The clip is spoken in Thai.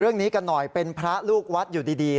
เรื่องนี้กันหน่อยเป็นพระลูกวัดอยู่ดี